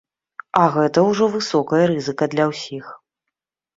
А гэта ўжо высокая рызыка для ўсіх.